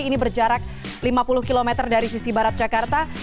ini berjarak lima puluh km dari sisi barat jakarta